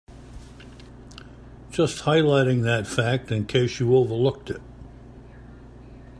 Just highlighting that fact in case you overlooked it.